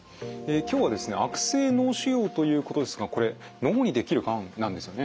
今日はですね悪性脳腫瘍ということですがこれ脳にできるがんなんですよね？